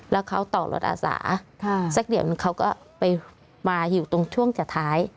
แล้วเขาต่อรถอาสาสักเดี๋ยวนึงเขาก็ไปมาอยู่ตรงช่วงจัดท้าย